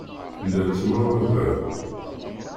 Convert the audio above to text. Llant meṛṛa da.